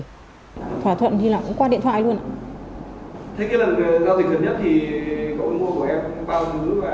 lần giao dịch gần nhất thì cậu mua của em bao nhiêu và khoảng bao nhiêu tiền